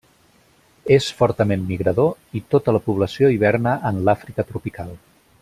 És fortament migrador i tota la població hiverna en l'Àfrica tropical.